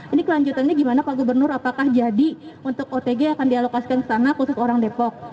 ini kelanjutannya gimana pak gubernur apakah jadi untuk otg akan dialokasikan ke sana khusus orang depok